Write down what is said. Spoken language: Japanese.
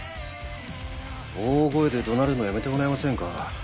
大声で怒鳴るのやめてもらえませんか？